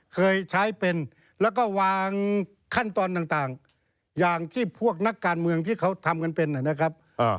เคยใช้เป็นแล้วก็วางขั้นตอนต่างอย่างที่พวกนักการเมืองที่เขาทำกันเป็นนะครับ